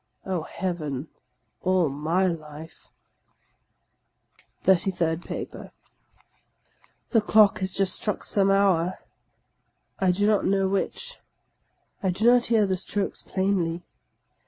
Oh, heaven ! All my life ! THIRTY THIRD PAPER THE clock had just struck some hour, — I do not know which. I do not hear the strokes plainly.